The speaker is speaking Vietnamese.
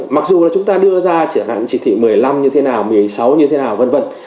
mặc dù là chúng ta đưa ra chẳng hạn chỉ thị một mươi năm như thế nào một mươi sáu như thế nào v v